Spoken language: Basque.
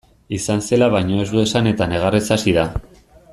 Izan zela baino ez du esan eta negarrez hasi da.